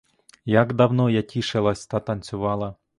Як давно я тішилась та танцювала.